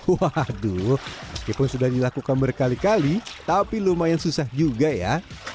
waduh meskipun sudah dilakukan berkali kali tapi lumayan susah juga ya